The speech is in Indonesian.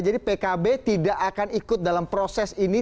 jadi pkb tidak akan ikut dalam proses ini